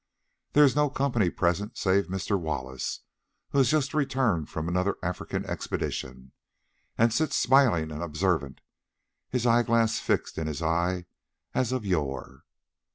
There is no company present save Mr. Wallace, who has just returned from another African expedition, and sits smiling and observant, his eyeglass fixed in his eye as of yore.